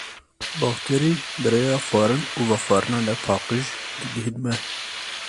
Bakterî bi rêya xwarin û vexwarina nepaqij digihîn me.